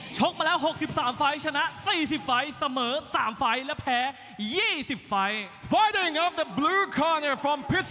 กมาแล้ว๖๓ไฟล์ชนะ๔๐ไฟล์เสมอ๓ไฟล์และแพ้๒๐ไฟล์